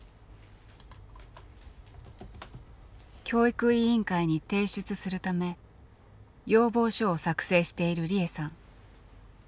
教育委員会に提出するため要望書を作成している利枝さん。